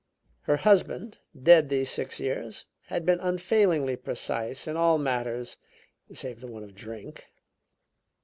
Her husband, dead these six years, had been unfailingly precise in all matters save the one of drink.